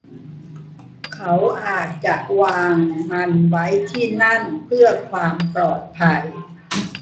เขาอาจจะวางมันไว้ที่นั่นเพื่อความปลอดภัย